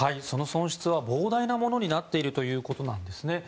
その損失は膨大なものになっているということです。